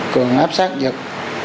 cường áp sát dựt